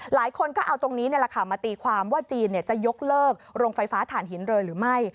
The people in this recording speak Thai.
หลายคนก็เอาตรงนี้มาตีความว่าจีนจะยกเลิกโรงไฟฟ้าถ่านหินเลยหรือไม่